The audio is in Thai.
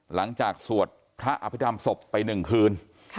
หลังจากสวดพระอภิกรรมสบไป๑คืน